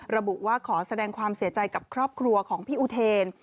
ระบุว่าขอแสดงความเสียใจกับครอบครัวของพี่อุเทน